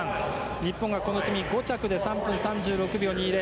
日本がこの組５着で３分３６秒２０。